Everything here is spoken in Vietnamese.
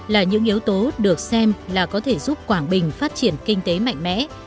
là những yếu tố được xem là có thể giúp quảng bình phát triển kinh tế mạnh mẽ